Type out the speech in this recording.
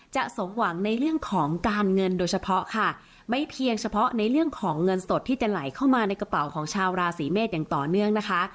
สมหวังในเรื่องของการเงินโดยเฉพาะค่ะไม่เพียงเฉพาะในเรื่องของเงินสดที่จะไหลเข้ามาในกระเป๋าของชาวราศีเมษอย่างต่อเนื่องนะคะ